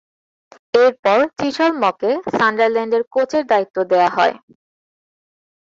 এরপর চিশলমকে সান্ডারল্যান্ডের কোচের দায়িত্ব দেয়া হয়।